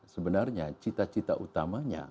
sebenarnya cita cita utamanya